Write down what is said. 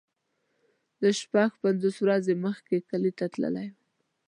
زه شپږ پنځوس ورځې مخکې کلی ته تللی وم.